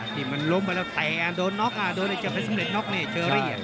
ที่มันล้มไปแล้วแตงโดดน๊อกโดดอันยาเจ้าเฟสสำเร็จน๊อกเชอรี่